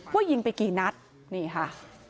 ยิงไปกี่นัดนี่ค่ะ